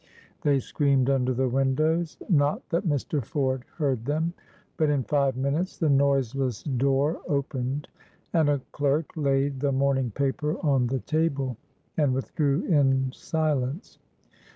they screamed under the windows. Not that Mr. Ford heard them. But in five minutes the noiseless door opened, and a clerk laid the morning paper on the table, and withdrew in silence.